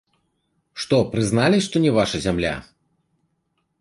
Што, прызналі, што не ваша зямля?